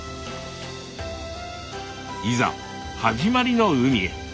いざはじまりの海へ。